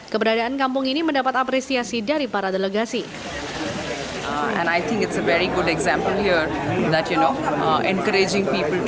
keberadaan kampung ini mendapat apresiasi dari para delegasi